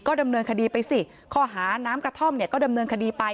ดำเนินคดีไปสิข้อหาน้ำกระท่อมเนี่ยก็ดำเนินคดีไป